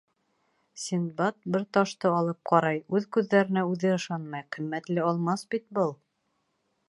Синдбад бер ташты алып ҡарай, үҙ күҙҙәренә үҙе ышанмай: ҡиммәтле алмас бит был!